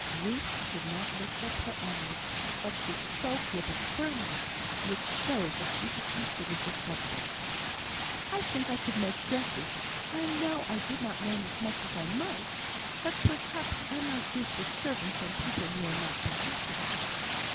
Ruth did not lift up her eyes, but she spoke with a firmness which showed that she had considered the subject. "I think I could make dresses. I know I did not learn as much as I might, but perhaps I might do for servants, and people who are not particular."